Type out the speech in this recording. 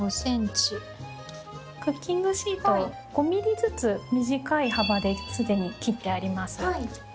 クッキングシートを５ｍｍずつ短い幅ですでに切ってあります。